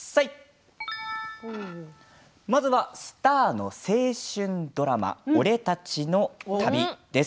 まずはスターの青春ドラマ「俺たちの旅」です。